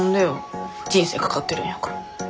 人生かかってるんやから。